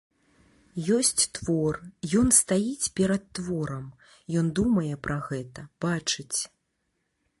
Ёсць твор, ён стаіць перад творам, ён думае пра гэта, бачыць.